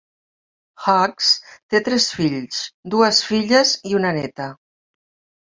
Hughes té tres fills, dues filles i una néta.